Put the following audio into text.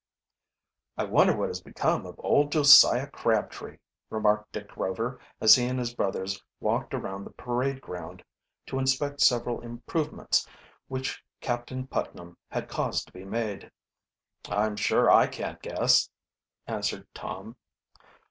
"I wonder what has become of old Josiah Crabtree?" remarked Dick Rover, as he and his brothers walked around the parade ground to inspect several improvement which Captain Putnam had caused to be made. "I'm sure I can't guess," answered Tom.